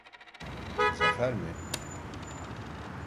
Zafer mi?